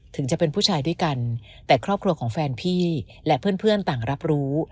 ถึงจะเป็นผู้ชายด้วยกันแต่ครอบครัวของแฟนพี่และเพื่อนต่างรับรู้